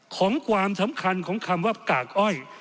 ความสำคัญของคำว่ากากอ้อย